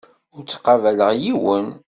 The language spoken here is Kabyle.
Ur ttqabaleɣ yiwen.